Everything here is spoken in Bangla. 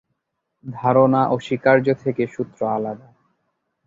ধারণা ও স্বীকার্য থেকে সূত্র আলাদা।